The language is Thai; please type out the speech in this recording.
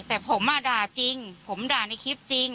แต่ผมด่าจริงผมด่าในคลิปจริง